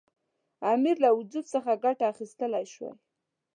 امیر له وجود څخه ګټه اخیستلای شوای.